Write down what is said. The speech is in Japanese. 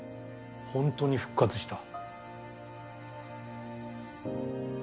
本当に復活した。